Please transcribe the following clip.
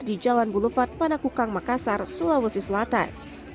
di jalan boulevat panakukang makassar sulawesi selatan